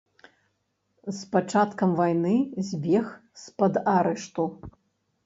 З пачаткам вайны збег з-пад арышту.